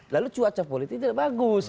lalu cuaca politiknya bagus